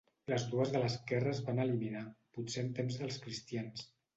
Les dues de l'esquerra es van eliminar, potser en temps dels cristians.